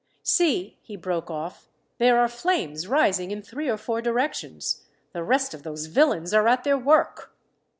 "See," he broke off, "there are flames rising in three or four directions. The rest of those villains are at their work."